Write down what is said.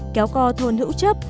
kéo co thôn hữu chấp